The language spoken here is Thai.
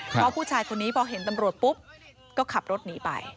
เพราะผู้ชายคนนี้พอเห็นตำรวจปุ๊บก็ขับรถหนีไป